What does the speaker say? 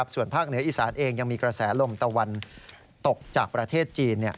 ส่วนภาคเหนืออีสานเองยังมีกระแสลมตะวันตกจากประเทศจีน